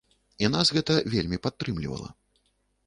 І нас гэта вельмі падтрымлівала.